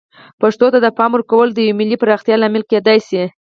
پښتو ته د پام ورکول د یوې ملي پراختیا لامل کیدای شي.